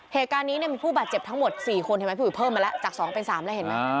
เหตุการณ์นี้มีผู้บาดเจ็บทั้งหมด๔คนเห็นไหมพี่อุ๋ยเพิ่มมาแล้วจาก๒เป็น๓แล้วเห็นไหม